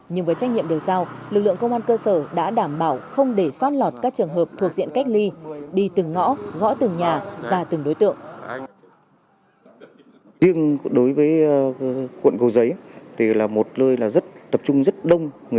nhưng với trách nhiệm được giao lực lượng công an cơ sở đã đảm bảo không để sót lọt các trường hợp thuộc diện cách ly đi từng ngõ gõ từng nhà ra từng đối tượng